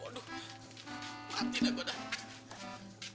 waduh mati dah gue dah